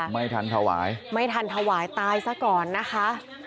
ไม่ทันถวายไม่ทันถวายตายซะก่อนนะคะ